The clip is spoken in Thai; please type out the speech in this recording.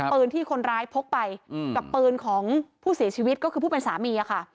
ปืนที่คนร้ายพกไปกับปืนของผู้เสียชีวิตก็คือผู้เป็นสามีค่ะ